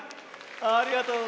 ありがとうございます。